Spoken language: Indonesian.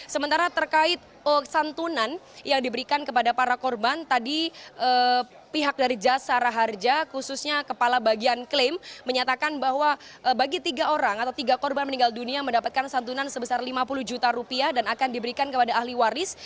sementara terkait santunan yang diberikan kepada para korban tadi pihak dari jasara harja khususnya kepala bagian klaim menyatakan bahwa bagi tiga orang atau tiga korban meninggal dunia mendapatkan santunan sebesar lima puluh juta rupiah dan akan diberikan kepada ahli waris